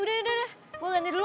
udah udah udah gue ganti dulu